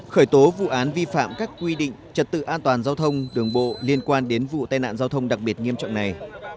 khởi tố vụ án vi phạm các quy định trật tự an toàn giao thông đường bộ liên quan đến vụ tai nạn giao thông đặc biệt nghiêm trọng này